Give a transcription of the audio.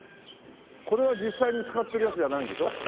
これは実際に使ってるやつじゃないんでしょ？